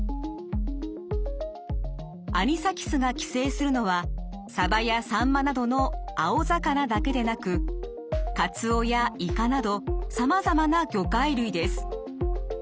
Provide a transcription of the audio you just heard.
アニサキスが寄生するのはサバやサンマなどの青魚だけでなくカツオやイカなどさまざまな魚介類です。